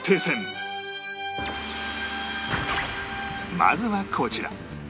まずはこちら